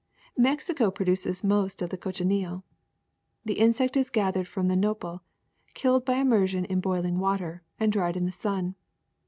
Mexico produces most of the cochineal. The insect is gathered from the nopal, killed by immersion in boiling water, and dried in the sun.